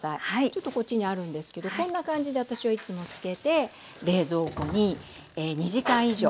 ちょっとこっちにあるんですけどこんな感じで私はいつも漬けて冷蔵庫に２時間以上。